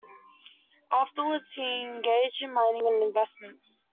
Afterwards he engaged in mining and investments.